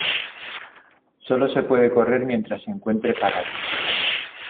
Sólo se puede correr mientras se encuentre parado.